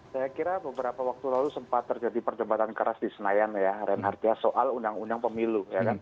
saya kira beberapa waktu lalu sempat terjadi perdebatan keras di senayan ya reinhardt ya soal undang undang pemilu